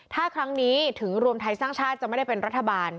ถ้าครั้งนี้ถึงรวมไทยสร้างชาติจะไม่ได้เป็นรัฐบาล